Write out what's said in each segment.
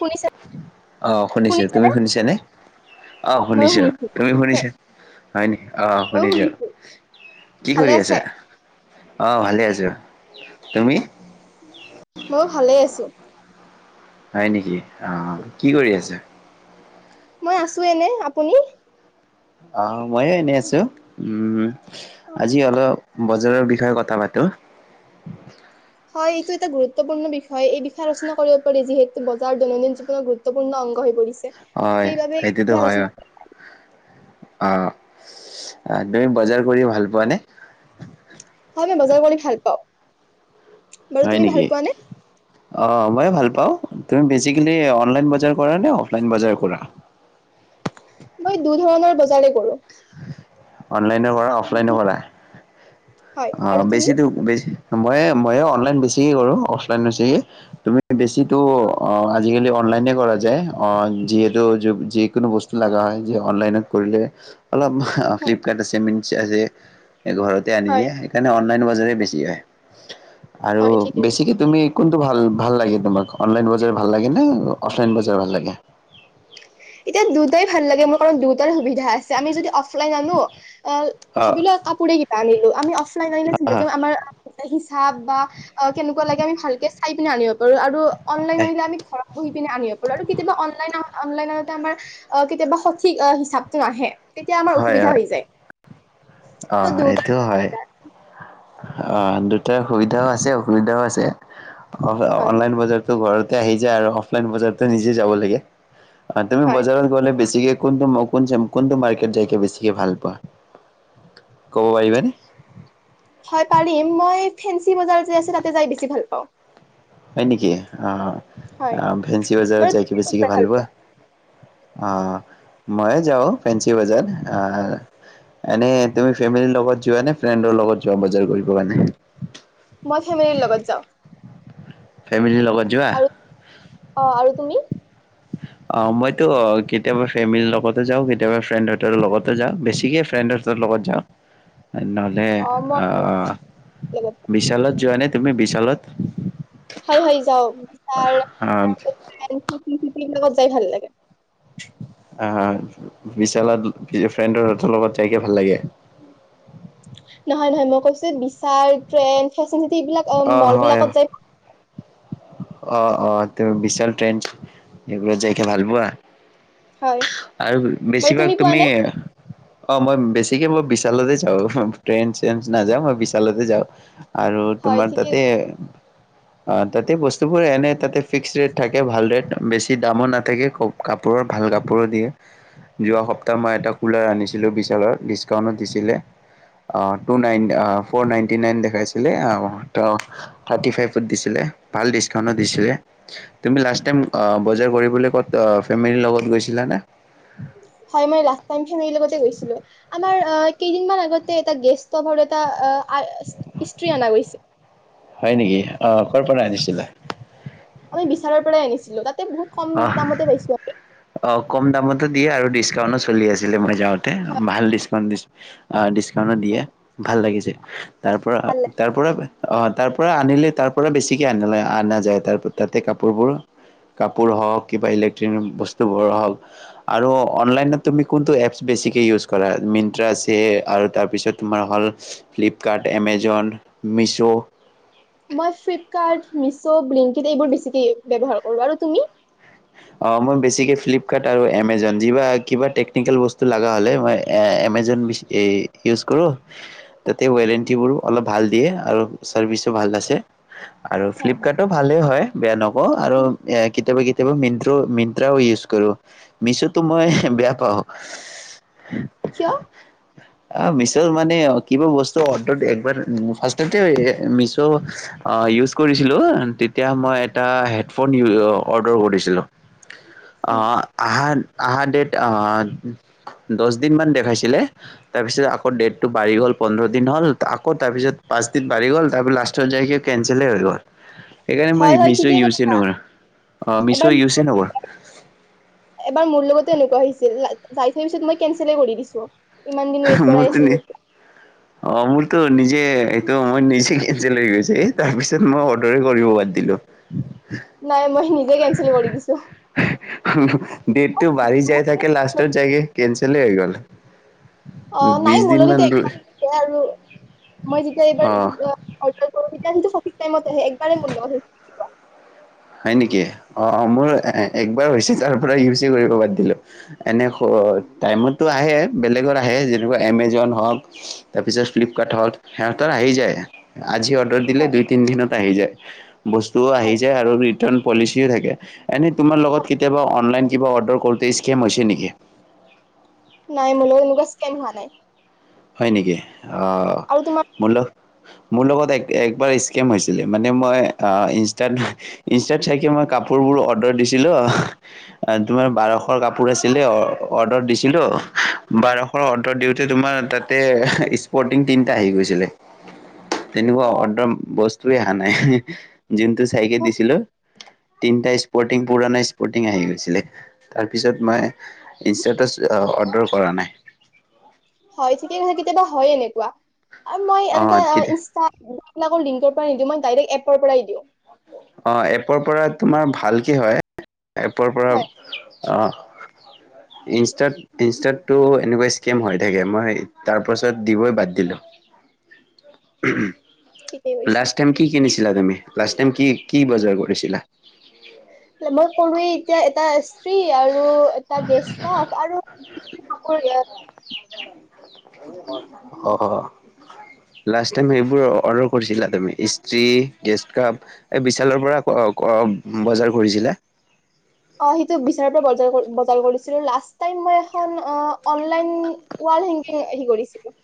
শুনিছা অহ শুনিছো তুমি শুনিছানে শুনিছা নে? অহ ময়ো শুনিছো তুমি শুনিছে শুনিছা হয় নিকি অহ শুনিছো কি ভালে কৰি আছে আছা? অহ ভালে আছো। তুমি? মই ভালে আছো। হয় নেকি, অহ কি কৰি আছে? মই আছো এনে। আপুনি? অ মইয়ো এনেই আছো উম আজি অলপ বজাৰৰ বিষয়ে কথা পাতো হয় এইটো এটা গুৰুত্বপূৰ্ণ বিষয় এই বিষয়ে আলচনা কৰিব পাৰি যিহেতু বজাৰৰ দৈনন্দিন জীৱনৰ গুৰুত্বপূৰ্ণ অংগ হৈ পৰিছে। হয় সেইবাবে এই সেইটোতো বিষয়ে হয় আলোচনা কৰা [unintelligible] অ তুমি বজাৰ কৰি ভাল পোৱানে? হয় মই বজাৰ কৰি ভাল পাওঁ বাৰু হয় তুমি ভাল নেকি পোৱা নে অ মই ভাল পাওঁ। তুমি বেচিকেলি অনলাইন বজাৰ কৰা নে, অফলাইন বজাৰ কৰা? মই দু ধৰণৰ বজাৰে কৰো। অনলাইনো কৰা অফলাইনো কৰা হয় অ আৰু তুমি বেছি বেছি মযে ময়ে বেছিকে কৰো অফলাইন বেছিকে তুমি বেছিটো অ আজিকালি অনলাইনে কৰা যায়, অ যিহেতু যিকোনো বস্তু লগা হয় অনলাইনত কৰিলে অলপ অ হয় ফ্লিপকাৰ্ট চেমি আছে ঘৰতে আনি হয় দিয়ে তেনে অনলাইন বজাৰে বেছি হয়। আৰু হয় ঠিকেই বেছিকে তুমি কোন ভাল ভাল লাগে তোমাক অনলাইন বজাৰ ভাল লাগে নে অফলাইন বজাৰ ভাল লাগে? এতিয়া দুটাই ভাল লাগে মোৰ কাৰণ দুটাৰ সুবিধা আছে আমি যদি অফলাইন আনো অ অ ভাবিলো কাপোৰে কিবা আনিলো আমি অফলাইন আনে চিন্তা আহ কৰিম আমাৰ হিচাপ বা কেনেকুৱা লাগে আমি ভালকে চাই পিনে আনিব পাৰো আৰু অনলাইন আনিলে আমি ঘৰত বহি পিনে আনিব পাৰো আৰু কেতিয়াবা অনলাইন অনলাইন আমাৰ অ কেতিয়াবা সঠিক হিচাপতটো নাহে তেতিয়া আমাৰ হয় অসুবিধা হয় হৈ যায় অ সেইটো হয় দুয়োটাৰ অ দুটাৰ সুবিধাও আছে অসুবিধাও আছে। অ হয় অনলাইন বজাৰতো ঘৰত আহি যায় আৰু অফলাইন বজাৰ নিজে যাব লাগে। তুমি হয় বজাৰত গ'লে বেছিকে কোনটো কোন কোনটো মাৰ্কেট যাই কিনে বেছিক ভাল পোৱা ক'ব পাৰিবানে? হয় পাৰিম মই ফ্ৰেন্সী বজাৰ যে আছে তাতে যাই বেছি ভাল পাওঁ। হয় নেকি অ। হয় আহ ফ্ৰেন্সি বজাৰত বাৰু যাইকে তুমি ক'ত বেছিকে যাই ভাল পোৱা। অ ময়ে যাও ফেঞ্চি বজাৰ। আহ এনে তুমি ফেমিলিৰ লগত যোৱা নে ফ্ৰেণ্ডৰ লগত যোৱা বজাৰ কৰিব কাৰণে? মই ফেমিলিৰ লগত যাওঁ ফেমিলিৰ লগত যোৱা? আৰু অ আৰু তুমি? অ মইতো কেতিয়াবা ফেমিলিৰ লগতো যাওঁ, কেতিয়াবা ফ্ৰেণ্ড হতৰ লগতো যাওঁ বেছিকে ফ্ৰেণ্ডতৰ লগত যাওঁ। নহ'লে অ লগত বিশালত যোৱা নে? তুমি বিশালত হয় হয় যাও আহ লগ লগত যাই ভাল লাগে আহ বিশালত ফ্ৰেণ্ডৰ হতৰ লগত তাইকে ভাল লাগে। নহয় নহয় মই কৈছো বিচাৰ ট্ৰেণ্ড সেবিলাক অ মল হয় বিলাকত যায় অ অ ত বিশাল ট্ৰেণ্ এইবাক যাইকে ভাল পোৱা? হয় আৰু বাৰু বেছিভাগ পোৱা তুমি নে অ মই বেছিকে মই বিশালতে যাওঁ ফ্ৰেণ্ড চে নাযাওঁ মই বিশালতে যাওঁ আৰু হয় তোমাৰ ঠিকে তাতে অ তাতে বস্তুবোৰ এনে তাতে ফিক্স ৰেট থাকে ভাল ৰেট বেছি দামো নাথাকে কাপোৰৰ ভাল কাপোৰো দিয়ে যোৱা সপ্তাহ মই এটা কুলাৰ আনিছিলোঁ বিশচালৰ ডিচকাউণ্টটো দিছিলে অঁ two nine four ninety nine দেখাইছিলে থাৰ্টি ফাইভত দিছিলে ভাল ডিছকাউণ্টো দিছিলে তুমি লাষ্ট টাইম বজাৰ কৰিবলৈ ক'ত ফেমিলিৰ লগত গৈছিলা নে হয় মই লাষ্ট টেম লগতে গৈছিলো আমাৰ অ কেইদিনমান আগতে এটা গেষ্টভাৰ এটা ইষ্ট্ৰ্ৰী অনা গৈছে হয় নেকি অ কৰ পৰা আনিছিলা লগত অ অ কম দামটো দিয়ে আৰু ডিচকাউণ্ট চল আছিলেই যাওঁতে তা ভাল ডিছকাউণ্ট দিছ অ দিয়ে ভাল লাগিছে। তাৰ ভাল লাগে পৰা-তাৰ-পৰা অ, তাৰ পৰা আনিলে তাৰ পৰা বেছিকে আনা-আনাযায় তাৰ-তাতে কাপোৰবোৰ কা কাপোৰ হওক কিবা ইলেক্ট্ৰনিক বস্তুবোৰো হওক আৰু অনলাইনত তুমি কোনটো এপছ বেছিকৈ ইউজ কৰা? মিন্ট্ৰা আছে আৰু তাৰপিছত তোমাৰ হ'ল ফ্লিপকাৰ্ট, এমেজন, মিছো। মই ফ্লিপকাৰ্ট, মিছো, ব্লিংকিট এইবোৰ বেছকে ব্যৱহাৰ কৰো, আৰু তুমি? অ, মই বেছিকে ফ্লিপকাৰ্ট আৰু এমেজন কিবা টেকনিকেল বস্তু লাগা হ'লে মই এ-এমেজন-ইউজ কৰো। তাতে ৱাৰেনটিবোৰো অলপ ভাল দিয়ে আৰু চাৰ্ভিছো ভাল আছে। আৰু হয়। ফ্লিপকাৰ্টো ভালে হয়। বেয়া ন অ, আৰু এ-কেতিয়াবা কেতিয়া [unintelligible] ত মিন্ত্ৰাও ইউজ কৰো। মিছোটো মই বেয়া পাওঁ। [inaudible] কিয়? অ, মিছোত মানে কিবা বস্তু অৰডাৰ-একবাৰ ফাৰ্চটতে এ-মিছো অ-ইউজ কৰিছিলো তেতিয়া মই এটা হেডফোন-অৰ্ডাৰ কৰিছিলো। অ, আহান আহা ডেট অ-দচ দিন মান দেখাইছিলে তাৰপিছত আকৌ ডেটটো বাঢ়ি গ'ল পোন্ধৰ দিন হ'ল আকৌ তাৰপিছত পাঁচদিন বাঢ়ি গ'ল তাৰপিছত লাষ্টত যায় কে কেনচেলে হৈ গ'ল। সেইকাৰণে মই হয় হয় মিছো ঠিকেই ইউচ কৈছা। নকৰো। অ, মিছো এবাৰ ইউ [inaudible] বাৰ মোৰ লগতো এনেকুৱা হৈছিল-যাই থৈ পিছত মই কেনচেলে কৰি দিছো। ইমান দিন ৱেইট কৰাই আছিল যেতিয়া [unintelligible] অ, মোৰ তো নিজে, এইটো মই নিজে-কেনচেল হৈ গৈছে এ তাৰপিছত মই অৰ্ডাৰে কৰিব বাদ দিলো। নাই মই নিজে কেনচেল কৰি দিছো ডেটটো বাঢ়ি যায় থাকে লাষ্টত জাইকে কেন কেলে আহি গ'ল অ', নাই বিশ দিন মান মোৰলগত এতিয়া [unintelligible] আৰু, মই যেতিয়া এইবাৰ অ এইটো অ-অৰ্ডাৰ ক [unintelligible] টাইমত একবাৰে মোৰলগত হৈ হয় নেকি? অ, অ মোৰ এ-একবাৰে হৈছে তাৰ পৰা ইউজে কৰিব বাদ দিলো। এনে-টাইমততো আহে, বেলেগৰ আহে যেনেকুৱা এমেজন হওক, তাৰপিছত ফ্লিপকাৰ্ট হওক হেহঁতৰ আহি যায়। আজি অৰ্ডাৰ দিলে হয় দুই-তিনদিনত আহি যায়। বস্তুও আহি হয় যায় আৰু [unintelligible] পলিচিএ থাকে এনেই তোমাৰ লগত হয় কেতিয়াবা অনলাইন কিবা অৰ্ডাৰ কৰোতে স্কেম হৈছে নেকি? নাই, মোৰ লগত এনেকুৱা স্কেম হোৱা নাই। হয় নেকি! অ আৰু তোমাৰ মল মোৰ লগত এক একবাৰ স্কেম হৈছিলে মানে মই ইনষ্টাত ইনষ্টাত চাইে মই কাপোৰবোৰ অৰ্ডাৰ দিছিলোঁ তোমাৰ বাৰশৰ কাপোৰ আছিলে অৰ্ডাৰ দিছিলোঁ বাৰশৰ অৰ্ডাৰ দিওঁতে তোমাৰ তাত [unintelligible] স্পৰ্টিং তিনিটা আহি গৈছিলে তেনেকুৱা অ বস্তু তে অহা নাই যোনটোু চাইকেল দিছিলো তিনিটা স্পৰ্টিং পুৰণা স্পৰ্টিং আহি গৈছিলে তাৰপিছত মই ইনষ্টাটো অৰ্ডাৰ কৰা নাই হয় ঠিকে কথা কেতিয়াবা হয় এনেকুৱা আৰু মই এনেকা অ' কেতিয়া ইনষ্টলাকৰ লিং নিদিওঁ মই ডাইৰেক্ট এপৰ পৰাই দিওঁ অ এপৰ পৰা তোমাৰ ভালকে হয় এপৰ পৰা হয় অঁ ইনষ্টাত ইনষ্টাততটো এনেকুৱা স্কেম হৈ থাকে মই তাৰপাছত দিবই বাদ দিলোঁ ঠিকেই কৈছা লাষ্ট টাইম কি কিনিছিলা তুমি লাষ্ট টাইম কি কি বজাৰ কৰিছিলা মই কলোৱে এতিয়া এটা ফ্ৰী আৰু আৰু এটা গেছ াভ আৰু অ লাষ্ট টাইম সেইবোৰ অৰ্ডাৰ কৰিছিলা তুমি ই্ত্ৰ্ৰী গেষ্ট কাপ এই বিশালৰ পৰা বজাৰ কৰিছিলা অ সিটো বিচাৰোঁতে বজা বজাৰ কৰিছিলোঁ লাষ্ট টাইম মই এখন অনলাইন ৱাল হাগী আহি কৰিছিলোঁ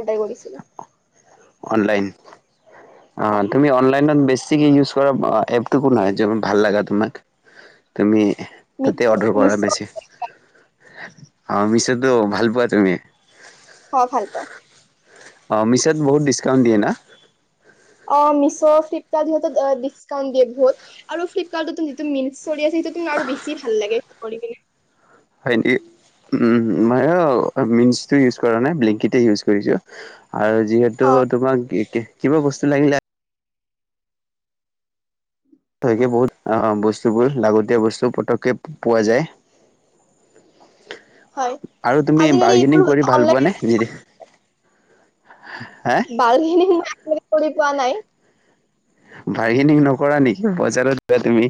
অৰ্ডাৰ কৰিছিলোঁ অন অনলাইন অ হয় তুমি অনলাইনত বেছি িক ইউজ কৰা এপটু কোনহয় যে ভাল লাগা তোমাক তুমি ততে মিছ' অৰ্ডাৰ কৰা মিছ' বেছি অ মিছতো ভাল পোৱা তুমি হয় ভাল পাওঁ অঁ মিছত বহুত ডিছকাউণ্ট দিয়ে না অ মিছ' ফ্লিপকাৰ্ট সিহঁতি ডিছকাউণ্ট দিয়ে বহুত আৰু ফ্লিপকাৰ্ট তো সেটো মিছৰীয়া আছে সেই আৰু সেইটো বেছি ভাল লাগে [unintelligible] আৰু যিহেতু অ তোমাক কিবা বস্তু লাগিলে তাকে বহুত আ বস্তুবোৰ লাগতীয় বস্তু পতককৈ পোৱা যায় হয় আৰু তুমি আজিকালি এইবোৰ বাৰ্গেনিং কৰি ভাল অনলাইন পোৱা নে হা বালগ [unintelligible] একো বুজি পোৱা নাই বাগেনিং নকৰা নেকি পইচাটো দিবা তুমি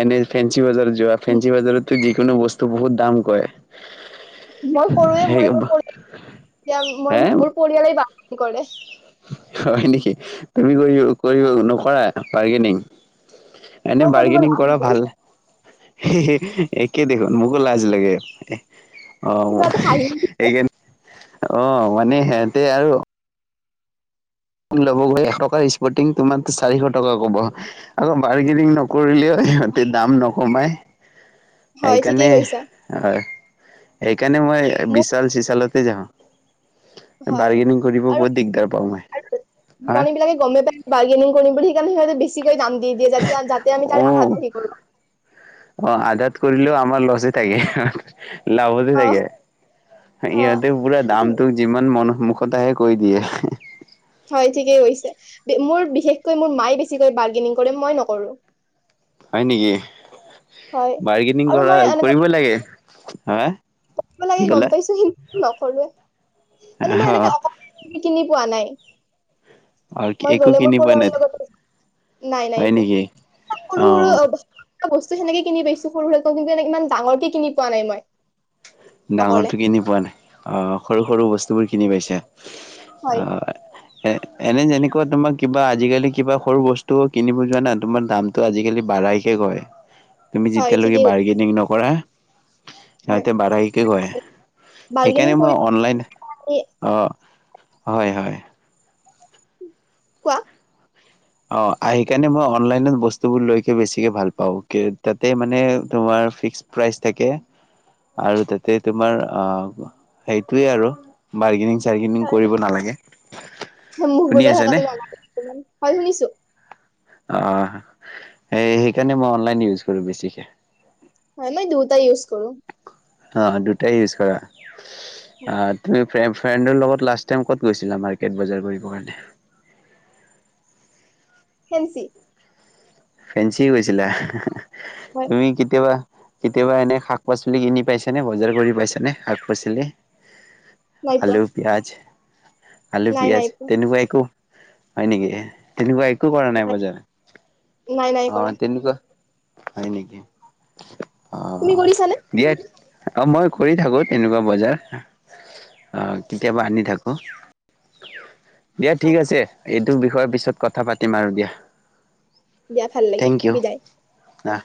এন এন ফেনচি কি বজাৰত যোৱা ফেঞ্চি বজাৰত নেকি কোনো বস্তু বহুত দাম কৰে মই কৰুৱে মই মোৰ হে মই মোৰ পৰিয়ালেই পাব কি কলে হয় নেকি তুমি কৰিবা কৰিব অ নকৰা পাৰ্গেনিং মোৰ এনেই কৰিব বাৰ্গেনিং লাজ কৰা ভাল একে দেখোন মোকো লাজ লাগে এ অ কিবা এটা হাঁহি একেইদিন অ মানে সিহতে আৰু ল'ব গলে এশ টকাৰ স্পৰ্টিং তোমাৰ চাৰিশ টকা ক'ব আকৌ বাৰ্গেনিং নকৰিলেও সিহঁতে দাম নকমাই হয় সেইকাৰণে ঠিকেই কৈছা অ সেইকাৰণে মই মোৰ বিশাল চিচালত তাতে যাওঁ হয় বাৰ্গেনিং কৰিব আৰু বহুত দিগদাৰ পাওঁ মই হা কোম্পানী বিলাকে গমে পায় বাৰ্গেনিং কৰিম বুলি সেইকাৰণে সিহঁতে বেছি দাম দি দি যাতে যাতে আমি অ তাৰ আধাটো কৰো অ আধাত কৰিলেও আমাৰ লচে থাকে লাভতে অ চাগে অ ইহঁতে পুৰা কি- দামটো যিমান মন সদায় কৈ দিয়ে হয় ঠিকেই কৈছে মোৰ বিশেষকৈ মোৰ মায়ে বেছিকৈ বাৰ্গেনিং কৰে মই নকৰো হয় নেকি হয় বাৰ্গেনিং আৰু কৰা মই এনেকে কৰিবই লাগে হা কৰিব কি লাগে গম ক'লা পাইছো সি নকৰোৱে মানে মই এনেকে অ অ কিনি পোৱা নাই আৰু মই একো গলে মোৰ কিনি পোৱা পৰিয়ালৰ নাই লগত নাই নাই হয় নেকি এক সৰু অ সৰু বস্তু সেনে কিনি পাইছো সৰুকৌ কিন্তু ইমান ডাঙৰকে কিনি পোৱা নাই মই অকলে ডাঙৰটো কিনি পোৱা নাই অ সৰু সৰু বস্তুবোৰ কিনি পাইছে হয়, অ এ এনে যেনেকুৱা তোমাৰ কিবা আজিকালি কিবা সৰু বস্তু কিনিব যোৱা নাই তোমাৰ দামতটো আজিকালি বাঢ়াকে কৰে তুমি হয় যেতিয়ালৈকে ঠিকেই কৈছা। বাৰ্গেনিং নকৰা হয়। সিহতিতে বাঢাই কি কয় বাৰ্গেনিং সেইকাৰণে মই কৰি অনলাইন আমি অ হয় হয় কোৱা অ সেইকাৰণে মই অনলাইন বস্তুবোৰ লৈ বেছিকে ভাল পাও তাতে মানে তোমাৰ ফিস্ক প্ৰাইজ থাকে আৰু তাতে তোমাৰ সেইটোৱে আৰু বাৰ্গেনিং হয়, কৰিব নালাগে মুখ শুনি বুজাই আছে থকা নে তুমি হয় শুনিছো অহ সেইকাৰণে মই অনলাইন ইউজ কৰো বেছিকে হয় মই দুুয়োটা ইউজ কৰো অ দুটাই ইউজ কৰা আৰু তুমি ফ্ৰেণ্ডৰ লগত লাষ্ট টাইম ক'ত গৈছিলা মাৰ্কেট বজাৰ কৰিবৰ কাৰণে ফ্ৰেনঞ্চি ফেঞ্চি গৈছিলা হয় তুমি কেতিয়াবা কেতিয়াবা এনে শাক পাচলি কিনি পাইছেনেে বজাৰ কৰি পাইছেনেে শাক পাচলি নাই পোৱা আলু পিয়াজ আলু নাই পিয়াজ নাই পোৱা তেনেকুৱা একো হয় নেকি তেনেকুৱা এক একো কৰা নাই বজাৰ নাই নাই অ কৰা। তেনেকুৱা হয় নেকি অ তুমি কৰিছানে? দিয়ে অঁ মই কৰি থাকো তেনেকুৱা বজাৰ অঁ কেতিয়াবা আনি থাকো দিয়া ঠিক হয়, আছে টো বিষয়ৰ পিছত কথা পাতিম আৰু দিয়া দিয়া ভাল লাগে থেংক ইউ বিদায় আহ।